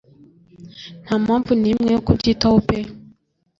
nta mpamvu nimwe yo kubyitaho pe